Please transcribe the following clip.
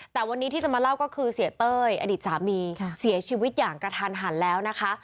แต่วันนี้ที่จะมาเล่าก็คือเสียเต้ยอดีตสามีเสียชีวิตอย่างกระทันหันแล้วนะคะ